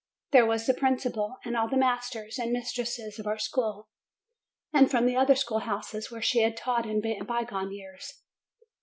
There was the principal, and all the masters and mistresses from our school, and from the other schoolhouses where she had taught in bygone years.